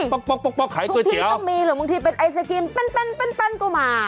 ป๊อกป๊อกป๊อกป๊อกขายก๋วยเตี๋ยวทุกทีต้องมีหรือบางทีเป็นไอศกินปั้นปั้นปั้นปั้นก็มา